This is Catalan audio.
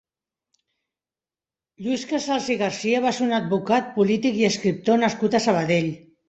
Lluís Casals i Garcia va ser un advocat, polític i escriptor nascut a Sabadell.